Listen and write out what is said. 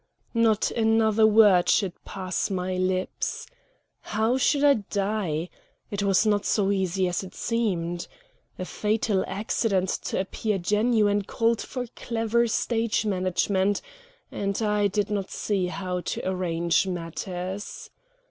Not another word should pass my lips. How should I die? It was not so easy as it seemed. A fatal accident to appear genuine called for clever stage management, and I did not see how to arrange matters.